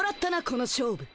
この勝負。